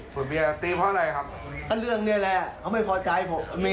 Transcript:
เป็นเรื่องนี้แหละเขาไม่พอใจผม